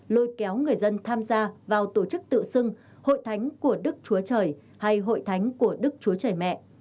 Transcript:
lôi kéo người dân tham gia vào tổ chức tự xưng hội thánh của đức chúa trời hay hội thánh của đức chúa trời mẹ